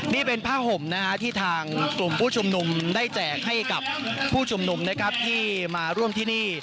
นี่เป็นผ้าห่มที่ทางกลุ่มผู้ชุมนุมได้แจกให้กับผู้ชุมนุมนะครับที่มาร่วมที่นี่